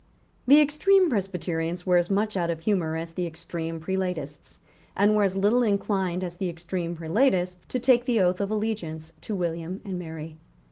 The extreme Presbyterians were as much out of humour as the extreme Prelatists, and were as little inclined as the extreme Prelatists to take the oath of allegiance to William and Mary.